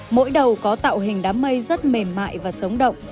mỗi đầu có tạo hình đám mây rất mềm mại và sống động